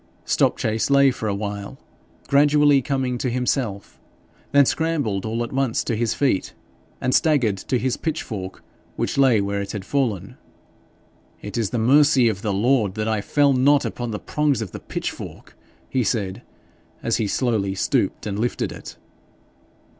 Stopchase lay for a while, gradually coming to himself, then scrambled all at once to his feet, and staggered to his pitchfork, which lay where it had fallen. 'It is of the mercy of the Lord that I fell not upon the prongs of the pitchfork,' he said, as he slowly stooped and lifted it.